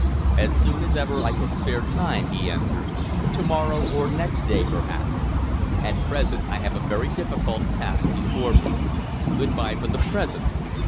"As soon as ever I can spare time," he answered. "To morrow, or next day, perhaps. At present I have a very difficult task before me. Good bye for the present."